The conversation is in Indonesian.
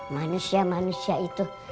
manusia manusia itu